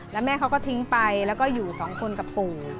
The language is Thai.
แล้วแม่เขาก็ทิ้งไปแล้วก็อยู่สองคนกับปู่